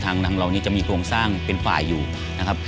นางเหล่านี้จะมีโครงสร้างเป็นฝ่ายอยู่นะครับ